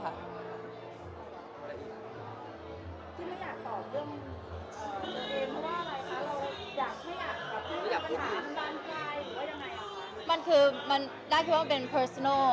มาแบบความรู้สึกกับเพื่อนราวในกรองเป็นยังไงบ้าง